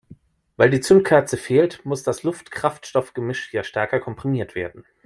Weil die Zündkerze fehlt, muss das Luft-Kraftstoff-Gemisch ja stärker komprimiert werden.